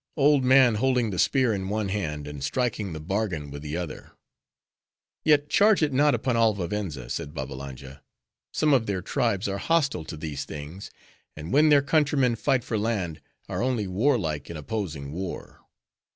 "Ay, old man, holding the spear in one hand, and striking the bargain with the other." "Yet charge it not upon all Vivenza," said Babbalanja. "Some of her tribes are hostile to these things: and when their countryman fight for land, are only warlike in opposing war."